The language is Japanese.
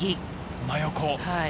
真横？